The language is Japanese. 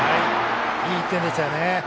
いい１点でしたよね。